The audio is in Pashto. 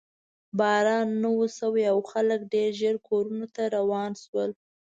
باران نه و شوی او خلک ډېر ژر کورونو ته روان شول.